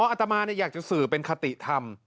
อัตมาอยากจะสื่อเป็นคติธรรม